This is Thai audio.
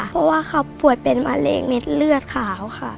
เพราะว่าเขาป่วยเป็นมะเร็งเม็ดเลือดขาวค่ะ